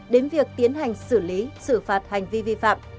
đến việc tiến hành xử lý xử phạt hành vi vi phạm